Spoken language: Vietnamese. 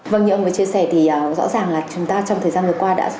vâng như ông ấy chia sẻ thì rõ ràng là chúng ta trong thời gian vừa qua đã